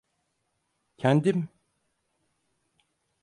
Kendim…